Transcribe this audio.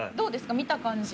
見た感じ